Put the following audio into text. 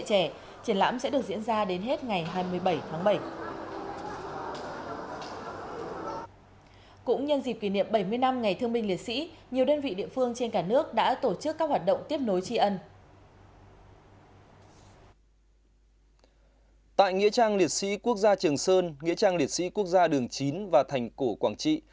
trường sơn nghĩa trang liệt sĩ quốc gia đường chín và thành cổ quảng trị